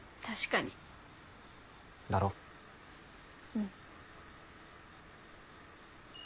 うん。